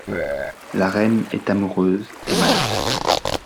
La Reine est amoureuse et malade.